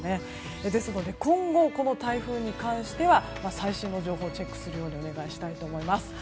ですので今後この台風に関しては最新の情報をチェックをお願いしたいと思います。